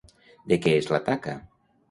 De què és la taca?